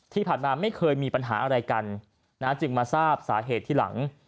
ที่ผ่านมาไม่เคยมีปัญหาอะไรกันจึงมาทราบสาเหตุที่หลัง